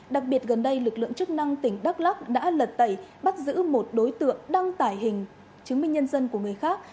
đặc biệt gần đây lực lượng chức năng tỉnh đắk lắc đã lật tẩy bắt giữ một đối tượng đăng tải hình chứng minh nhân dân của người khác